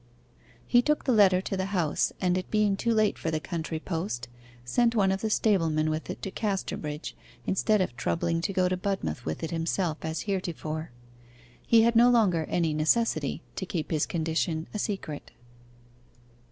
He took the letter to the house, and it being too late for the country post, sent one of the stablemen with it to Casterbridge, instead of troubling to go to Budmouth with it himself as heretofore. He had no longer any necessity to keep his condition a secret.